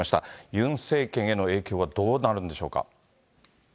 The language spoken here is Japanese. ユン政権への影響はどうなるんでしょうか。